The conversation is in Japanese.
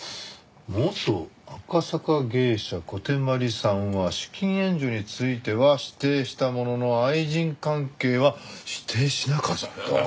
「元赤坂芸者小手鞠さんは資金援助については否定したものの愛人関係は否定しなかった」！？